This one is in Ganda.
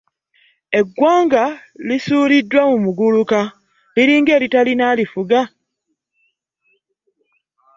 eggwaga lisuliddwa mu guluka liringa eritarina alifuga